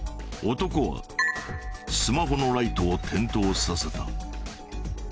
男はスマホのライトを点灯させた。